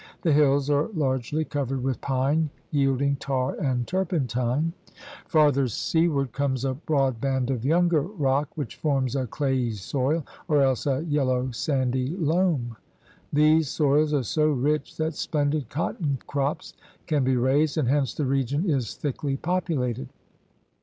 The hills are largely covered with pine, yielding tar and turpentine. Farther seaward comes a broad band of younger rock which forms a clayey soil or else a yellow sandy loam. These soils are so rich that splendid cotton crops can be raised, and hence the region is thickly populated.